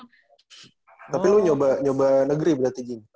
tapi lu nyoba negeri berarti gini